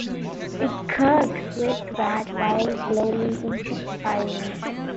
It curved westward while slowly intensifying.